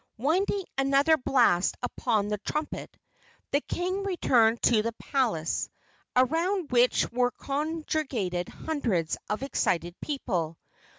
Winding another blast upon the trumpet, the king returned to the palace, around which were congregated hundreds of excited people.